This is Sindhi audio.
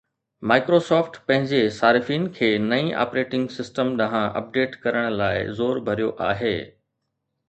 Microsoft پنهنجي صارفين کي نئين آپريٽنگ سسٽم ڏانهن اپڊيٽ ڪرڻ لاء زور ڀريو آهي